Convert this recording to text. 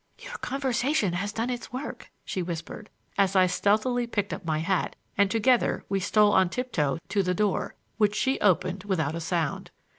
"Your conversation has done its work," she whispered as I stealthily picked up my hat, and together we stole on tiptoe to the door, which she opened without a sound.